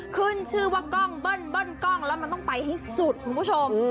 ขึ้นชื่อว่ากล้องเบิ้ลกล้องแล้วมันต้องไปให้สุดคุณผู้ชม